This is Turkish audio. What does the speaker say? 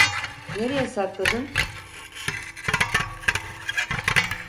Nereye sakladın?